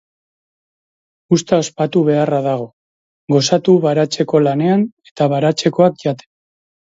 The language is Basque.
Uzta ospatu beharra dago. Gozatu baratzeko lanean eta baratzekoak jaten.